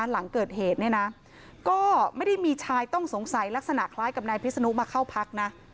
หลังเกิดเหตุเนี่ยนะก็ไม่ได้มีชายต้องสงสัยลักษณะคล้ายกับนายพิศนุมาเข้าพักนะ